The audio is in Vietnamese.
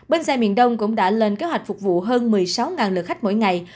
bến xe miền đông cũng đã lên kế hoạch phục vụ hơn một mươi sáu lượt khách mỗi ngày